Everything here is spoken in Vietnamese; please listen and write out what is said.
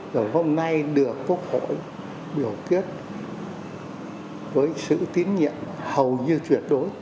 rồi hôm nay được quốc hội biểu quyết với sự tín nhiệm hầu như tuyệt đối